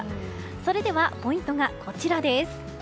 それではポイントがこちらです。